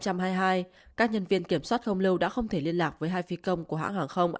hai nghìn hai mươi hai các nhân viên kiểm soát không lâu đã không thể liên lạc với hai phi công của hãng hàng không